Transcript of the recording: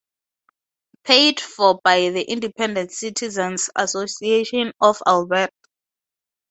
Paid for by the Independent Citizen's Association of Alberta.